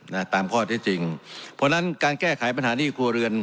นะตามข้อที่จริงเพราะฉะนั้นการแก้ไขปัญหาหนี้ครัวเรือน